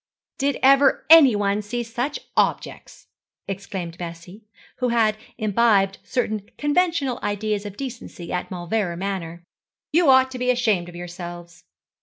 'Did ever anyone see such objects?' exclaimed Bessie, who had imbibed certain conventional ideas of decency at Mauleverer Manor: 'you ought to be ashamed of yourselves.'